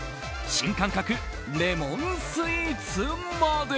新感覚レモンスイーツまで。